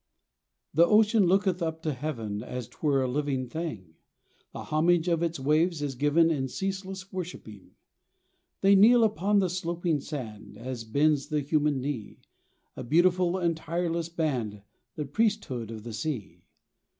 The ocean looketh up to heaven As 'twere a living thing; The homage of its waves is given In ceaseless worshiping. They kneel upon the sloping sand, As bends the human knee, A beautiful and tireless band, The priesthood of the sea!